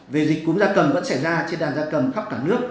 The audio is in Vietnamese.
về dịch cúm da cầm vẫn xảy ra trên đàn da cầm khắp cả nước